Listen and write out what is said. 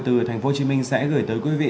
từ thành phố hồ chí minh sẽ gửi tới quý vị